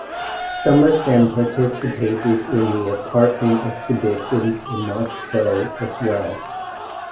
Some of them participated in the "apartment exhibitions" in Moscow as well.